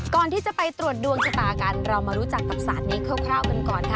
ก่อนที่จะไปตรวจดวงชะตากันเรามารู้จักกับศาสตร์นี้คร่าวกันก่อนค่ะ